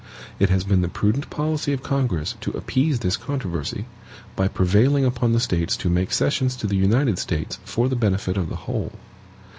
It has been the prudent policy of Congress to appease this controversy, by prevailing upon the States to make cessions to the United States for the benefit of the whole.